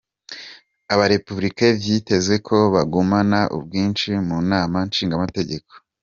Aba Republicains vyitezwe ko bagumana ubwinshi mu nama nshingamateka.